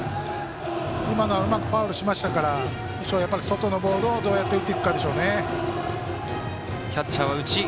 今のはうまくファウルしましたから外のボールをどうやって打っていくかでしょうね。